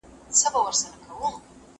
پروت پر ګیله منو پېغلو شونډو پېزوان څه ویل